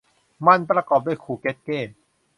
มันประกอบด้วยคูเกตเต้